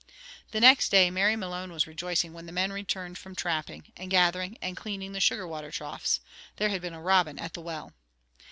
The next day Mary Malone was rejoicing when the men returned from trapping, and gathering and cleaning the sugar water troughs. There had been a robin at the well.